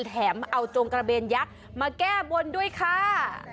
แถมเอาจงกระเบนยักษ์มาแก้บนด้วยค่ะ